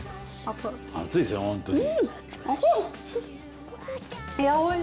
熱い！